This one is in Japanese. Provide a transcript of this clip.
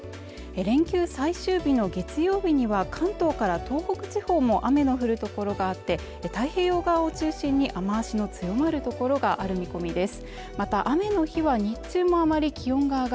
連休最終日の月曜日には関東から東北地方も雨の降る所があって太平洋側を中心に雨足の強まる所がある見込みです